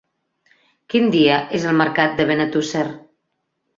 Quin dia és el mercat de Benetússer?